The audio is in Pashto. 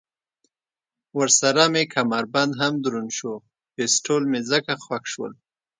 ورسره مې کمربند هم دروند شو، پېسټول مې ځکه خوښ شول.